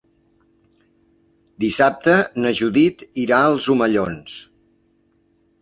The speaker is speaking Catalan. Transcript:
Dissabte na Judit irà als Omellons.